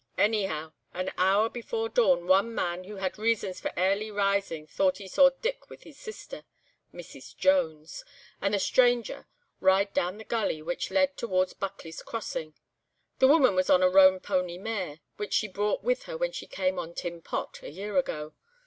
"Anyhow, an hour before dawn, one man who had reasons for airly rising thought he saw Dick with his sister, 'Mrs. Jones,' and the stranger, ride down the gulley which led towards Buckley's Crossing; the woman was on a roan pony mare, which she brought with her when she came on 'Tin Pot,' a year ago.